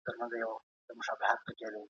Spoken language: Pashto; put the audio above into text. او هر څوک یې درناوی وکړي.